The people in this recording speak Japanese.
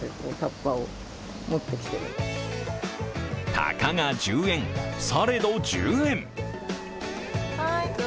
たかが１０円、されど１０円。